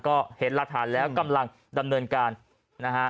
ก็เห็นหลักฐานแล้วกำลังดำเนินการนะฮะ